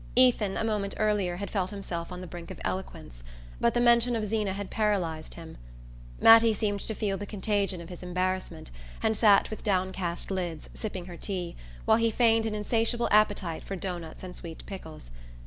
Ethan, a moment earlier, had felt himself on the brink of eloquence; but the mention of Zeena had paralysed him. Mattie seemed to feel the contagion of his embarrassment, and sat with downcast lids, sipping her tea, while he feigned an insatiable appetite for dough nuts and sweet pickles.